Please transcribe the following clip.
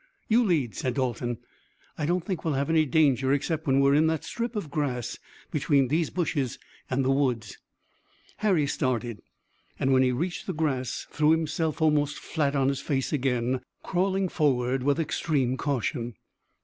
"You lead," said Dalton. "I don't think we'll have any danger except when we are in that strip of grass between these bushes and the woods." Harry started, and when he reached the grass threw himself almost flat on his face again, crawling forward with extreme caution.